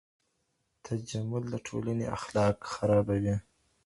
تجمل د ټولني اخلاق خرابوي.